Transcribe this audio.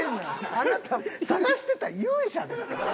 あなた探してた勇者ですか？